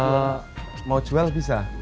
eh mau jual bisa